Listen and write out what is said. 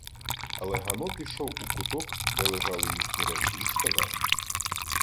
Але Гано пішов у куток, де лежали їхні речі, й сказав: